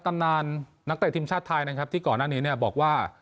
ตำนานนักเตะทีมชาติไทยนะครับที่ก่อนหน้านี้เนี่ยบอกว่า